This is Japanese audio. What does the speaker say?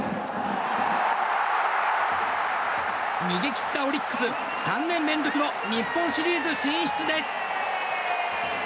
逃げ切ったオリックス３年連続の日本シリーズ進出です！